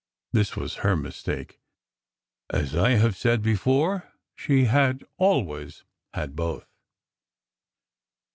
This was her mistake. As I have said before, she had always had both.